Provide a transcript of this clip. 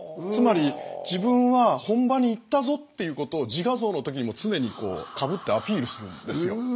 つまり自分は本場に行ったぞっていうことを自画像の時にも常にかぶってアピールするんですよ。